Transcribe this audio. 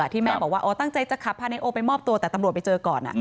ที่แม่บอกว่าตั้งใจจะขับพาไนโอไปมอบตัวแต่ตำรวจไปเจอก่อน